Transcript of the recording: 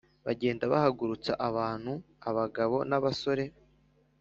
Bagenda bahagurutsa abantu abagabo n’abasore